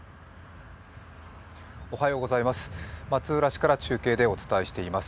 松浦市から中継でお伝えしています。